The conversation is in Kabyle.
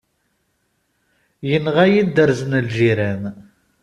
Yenɣa-yi dderz n lǧiran.